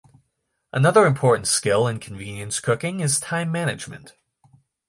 Another important skill in convenience cooking is time management.